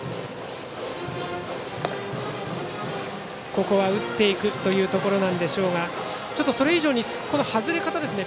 ここは打っていくというところでしょうがそれ以上に外れ方ですね。